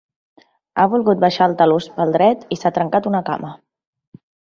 Ha volgut baixar el talús pel dret i s'ha trencat una cama.